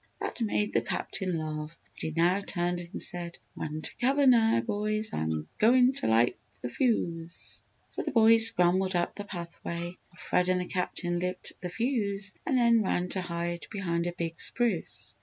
That made the Captain laugh, and he now turned and said: "Run to cover now, boys! I'm goin' to light th' fuse!" So the boys scrambled up the pathway while Fred and the Captain lit the fuse and then ran to hide behind a big spruce.